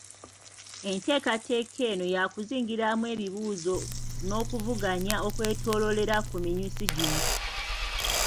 Enteekateeka eno yakuzingiramu ebibuuzo n’okuvuganya okwetoloolera ku minyusi gino